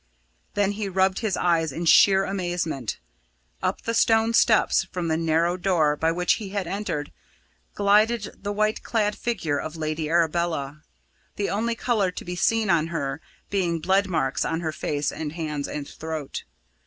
Then he rubbed his eyes in sheer amazement. Up the stone steps from the narrow door by which he had entered, glided the white clad figure of Lady Arabella, the only colour to be seen on her being blood marks on her face and hands and throat.